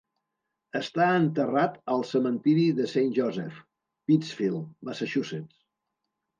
Està enterrat al cementiri de Saint Joseph, Pittsfield, Massachusetts.